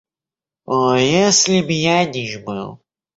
О, если б я нищ был!